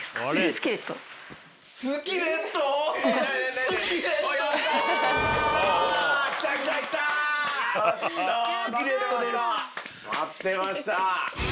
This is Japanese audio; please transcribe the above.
待ってました！